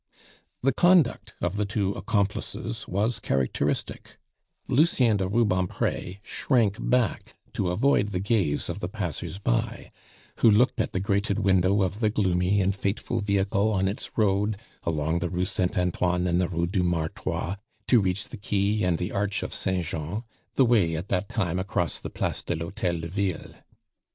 The conduct of the two accomplices was characteristic; Lucien de Rubempre shrank back to avoid the gaze of the passers by, who looked at the grated window of the gloomy and fateful vehicle on its road along the Rue Saint Antoine and the Rue du Martroi to reach the quay and the Arch of Saint Jean, the way, at that time, across the Place de l'Hotel de Ville.